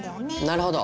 なるほど。